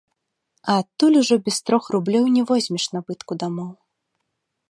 А адтуль ужо без трох рублёў не возьмеш набытку дамоў.